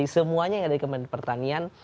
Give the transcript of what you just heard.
semuanya yang ada di kementerian pertanian